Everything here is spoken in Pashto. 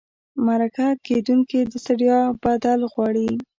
مرکه کېدونکي د ستړیا بدل غواړي.